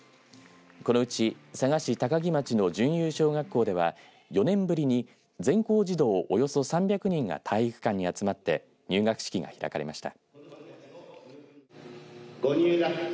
このうち佐賀市高木町の循誘小学校では４年ぶりに全校児童およそ３００人が体育館に集まって入学式が開かれました。